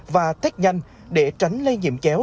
và thét nhanh để tránh lai nhiễm chéo